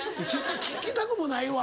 聞きたくもないわ。